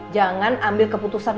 jangan ambil keputusan